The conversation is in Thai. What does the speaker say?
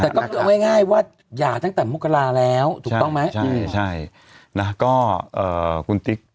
แต่ก็คือเอาง่ายว่าหย่าตั้งแต่มกราแล้วถูกต้องไหมใช่นะก็เอ่อคุณติ๊ก